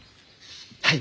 はい。